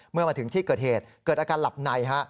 เมื่อมาถึงที่เกิดเหตุเกิดอาการหลับใน